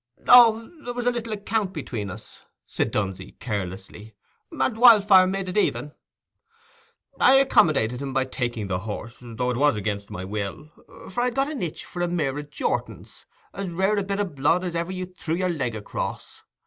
"Oh, there was a little account between us," said Dunsey, carelessly, "and Wildfire made it even. I accommodated him by taking the horse, though it was against my will, for I'd got an itch for a mare o' Jortin's—as rare a bit o' blood as ever you threw your leg across.